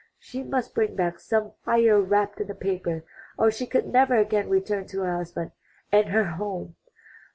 She must bring back some fire wrapped in a paper or she could never again return to her husband and her home.